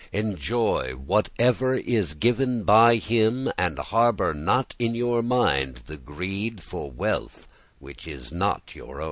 ] _Enjoy whatever is given by him and harbour not in your mind the greed for wealth which is not your own.